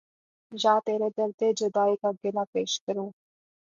یا ترے درد جدائی کا گلا پیش کروں